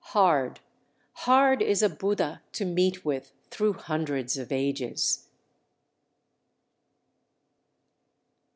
Hard, hard is a Buddha to meet with through hundreds of ages!